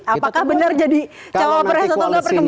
apakah benar jadi cawapres atau nggak perkembangannya ya